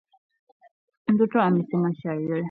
Mtoto amesema shairi